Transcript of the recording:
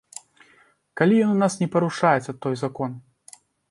Калі ён у нас не парушаецца, той закон?